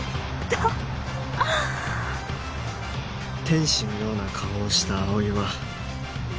天使のような顔をした葵は